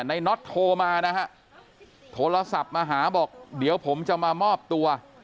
น็อตโทรมานะฮะโทรศัพท์มาหาบอกเดี๋ยวผมจะมามอบตัว